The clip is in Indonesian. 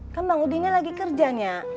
kan bang udinnya lagi kerja nya